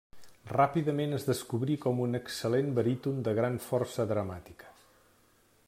Ràpidament es descobrí com un excel·lent baríton de gran força dramàtica.